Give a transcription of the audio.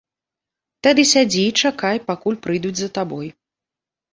Тады сядзі і чакай, пакуль прыйдуць за табой.